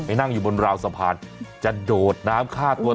ไปนั่งอยู่บนราวต์สะพานจะโดดน้ำค่าตัวตายโอ้